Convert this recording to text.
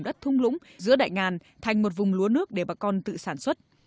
đất thung lũng giữa đại ngàn thành một vùng lúa nước để bà con tự sản xuất